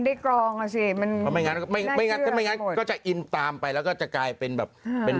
ได้เมียหรือแฟน